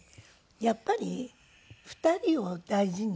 やっぱり２人を大事にしてくだすった。